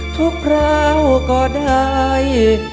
คราวก็ได้